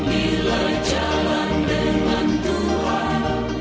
bila jalan dengan tuhan